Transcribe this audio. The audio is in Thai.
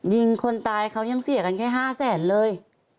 ยิงคนตายเขายังเสียกันแค่๕แสนเลย